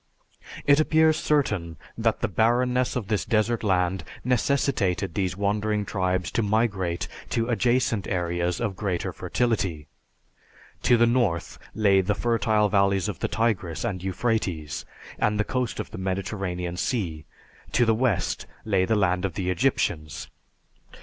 It appears certain that the barrenness of this desert land necessitated these wandering tribes to migrate to adjacent areas of greater fertility. To the north lay the fertile valleys of the Tigris and Euphrates and the coast of the Mediterranean Sea; to the west lay the land of the Egyptians.